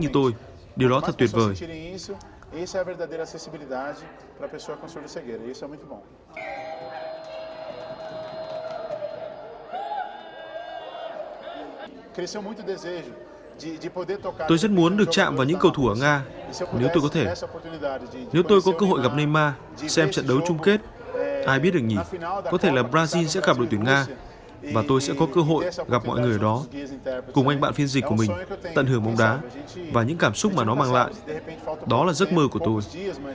tôi rất muốn được chạm vào những cầu thủ ở nga nếu tôi có thể nếu tôi có cơ hội gặp neymar xem trận đấu chung kết ai biết được nhỉ có thể là brazil sẽ gặp đội tuyển nga và tôi sẽ có cơ hội gặp mọi người ở đó cùng anh bạn phiên dịch của mình tận hưởng bóng đá và những cảm xúc mà nó mang lại đó là giấc mơ của tôi